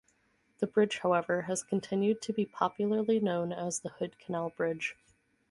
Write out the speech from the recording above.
The bridge, however, has continued to be popularly known as the Hood Canal Bridge.